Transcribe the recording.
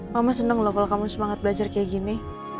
mama senang loh kalau kamu semangat belajar kayak gini